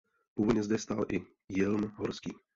Původně zde stál i jilm horský.